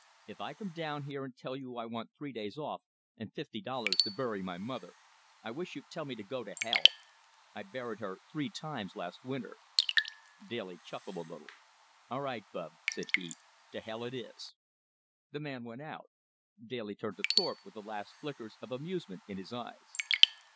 "If I come down here and tell you I want three days off and fifty dollars to bury my mother, I wish you'd tell me to go to hell! I buried her three times last winter!" Daly chuckled a little. "All right, Bub," said he, "to hell it is." The man went out. Daly turned to Thorpe with the last flickers of amusement in his eyes.